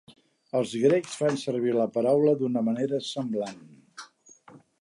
Els grecs fan servir la paraula d'una manera semblant.